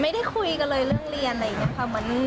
ไม่ได้คุยกันเลยเรื่องเรียนอะไรอย่างนี้ค่ะ